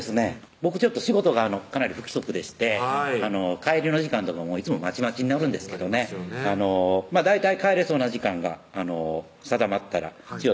僕仕事がかなり不規則でして帰りの時間とかもいつもまちまちになるんですけどね大体帰れそうな時間が定まったらちよ